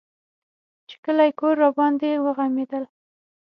چې کلى کور راباندې وغمېدل.